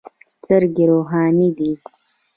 سترګې روښانې دي.